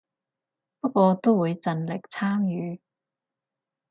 不過都會盡力參與